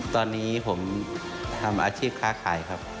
ตอนนี้ผมทำอาชีพค้าขายครับ